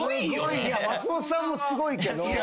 松本さんもすごいけど。